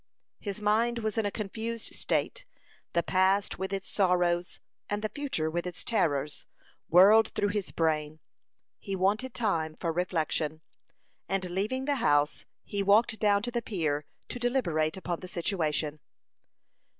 His mind was in a confused state; the past with its sorrows, and the future with its terrors, whirled through his brain. He wanted time for reflection, and leaving the house, he walked down to the pier to deliberate upon the situation.